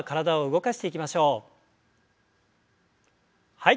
はい。